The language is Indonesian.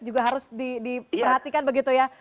juga harus diperhatikan begitu ya